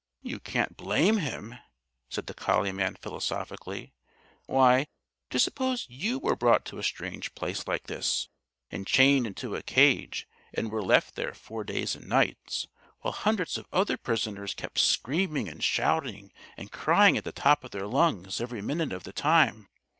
"You can't blame him," said the collie man philosophically. "Why, just suppose you were brought to a strange place like this and chained into a cage and were left there four days and nights while hundreds of other prisoners kept screaming and shouting and crying at the top of their lungs every minute of the time!